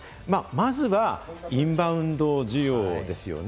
まずはインバウンド需要ですよね。